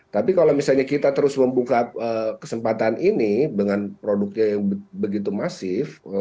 tapi kalau misalnya kita terus membuka kesempatan ini dengan produknya yang begitu masif